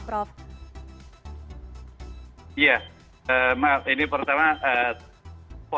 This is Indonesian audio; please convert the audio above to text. atau memang pengendaliannya yang memang sejauh ini belum bisa mengendalikan pandeminya seperti apa prof